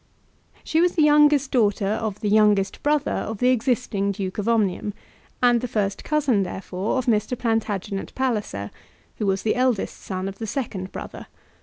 She was the youngest daughter of the youngest brother of the existing Duke of Omnium, and the first cousin, therefore, of Mr. Plantagenet Palliser, who was the eldest son of the second brother.